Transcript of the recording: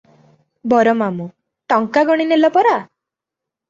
ବର ମାମୁ- ଟଙ୍କା ଗଣି ନେଲ ପରା?